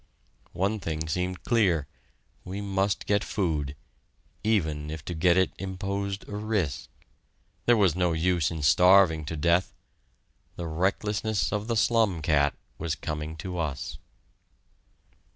One thing seemed clear we must get food, even if to get it imposed a risk. There was no use in starving to death.... The recklessness of the slum cat was coming to us.